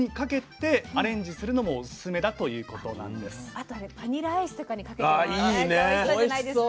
あとあれバニラアイスとかにかけてもおいしそうじゃないですか。